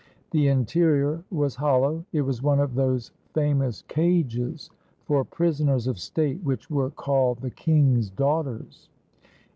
The interior was hollow. It was one of those famous cages for prisoners of state which were called " the king's daughters."